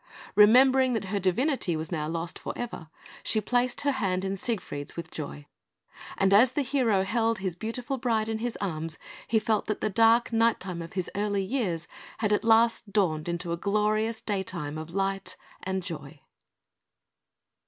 Remembering that her divinity was now lost for ever, she placed her hand in Siegfried's with joy; and as the hero held his beautiful bride in his arms, he felt that the dark night time of his early years had at last dawned into a glorious day time of light and joy.